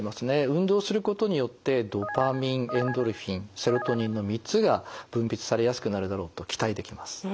運動することによってドパミンエンドルフィンセロトニンの３つが分泌されやすくなるだろうと期待できます。